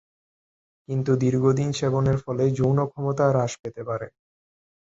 কিন্তু দীর্ঘদিন সেবনের ফলে যৌন ক্ষমতা হ্রাস পেতে পারে।